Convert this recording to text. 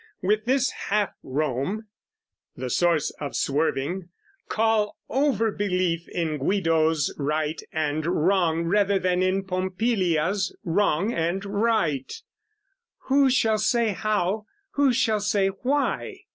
With this Half Rome, the source of swerving, call Over belief in Guido's right and wrong Rather than in Pompilia's wrong and right: Who shall say how, who shall say why?